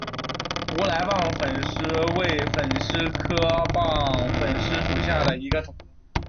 乌来棒粉虱为粉虱科棒粉虱属下的一个种。